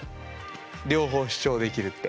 両方主張できるって。